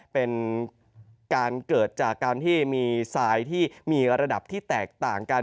เป็นการเกิดจากการที่มีทรายที่มีระดับที่แตกต่างกัน